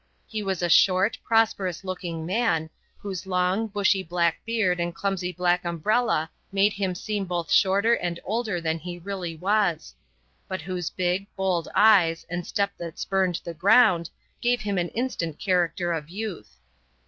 He was a short, prosperous looking man, whose long, bushy black beard and clumsy black umbrella made him seem both shorter and older than he really was; but whose big, bold eyes, and step that spurned the ground, gave him an instant character of youth.